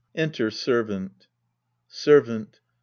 Enter SERVANT Servant.